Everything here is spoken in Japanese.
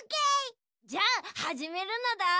じゃあはじめるのだ。